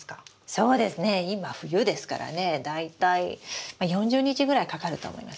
そうですね今冬ですからね大体４０日ぐらいかかると思います。